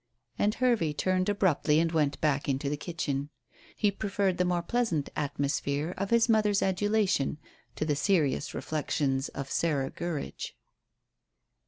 And Hervey turned abruptly and went back into the kitchen. He preferred the more pleasant atmosphere of his mother's adulation to the serious reflections of Sarah Gurridge.